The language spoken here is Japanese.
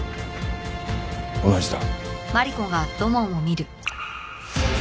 同じだ。